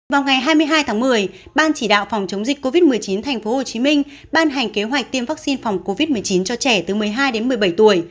vào ngày hai mươi hai tháng một mươi ban chỉ đạo phòng chống dịch covid một mươi chín tp hcm ban hành kế hoạch tiêm vaccine phòng covid một mươi chín cho trẻ từ một mươi hai đến một mươi bảy tuổi